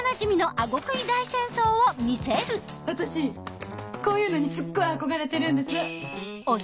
私こういうのにすっごい憧れてるんです。